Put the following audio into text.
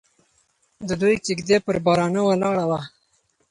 د دوی کږدۍ پر بارانه ولاړه وه.